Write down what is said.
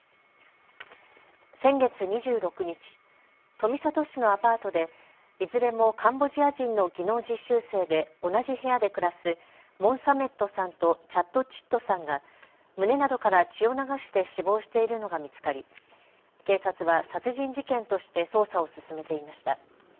先月２６日、富里市のアパートでいずれもカンボジア人の技能実習生で同じ部屋で暮らすモン・サメットさんとチャット・チットさんが胸などから血を流して死亡しているのが見つかり警察は殺人事件として捜査を進めていました。